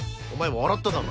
今笑っただろ？